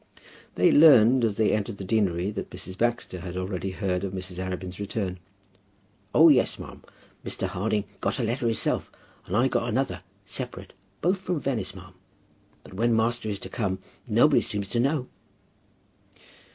They learned as they entered the deanery that Mrs. Baxter had already heard of Mrs. Arabin's return. "O yes, ma'am. Mr. Harding got a letter hisself, and I got another, separate; both from Venice, ma'am. But when master is to come, nobody seems to know."